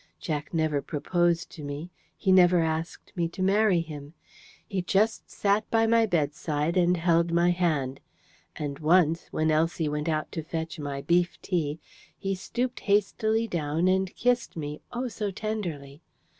Jack never proposed to me: he never asked me to marry him. He just sat by my bedside and held my hand; and once, when Elsie went out to fetch my beef tea, he stooped hastily down and kissed, me, oh, so tenderly!